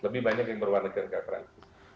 lebih banyak yang berwarga negara perancis